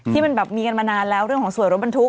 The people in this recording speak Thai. ที่มันแบบมีกันมานานแล้วเรื่องของสวยรถบรรทุก